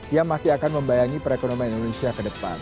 yang masih akan membayangi perekonomian indonesia ke depan